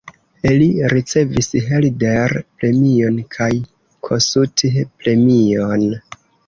Li ricevis Herder-premion kaj Kossuth-premion.